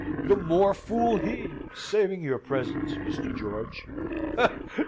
The more fool he, saving your presence, Mr. George."